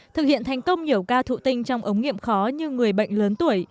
thực hiện thành công nhiều ca thụ tinh trong ống nghiệm khó như người bệnh lớn tuổi